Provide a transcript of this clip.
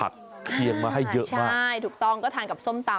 ที่ต้องก็ทานกับส้มตำ